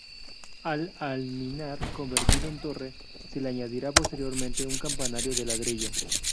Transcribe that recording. Al alminar, convertido en torre, se le añadiría posteriormente un campanario de ladrillo.